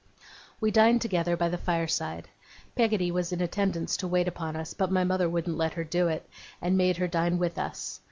We dined together by the fireside. Peggotty was in attendance to wait upon us, but my mother wouldn't let her do it, and made her dine with us.